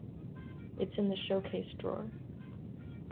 It's in the showcase drawer.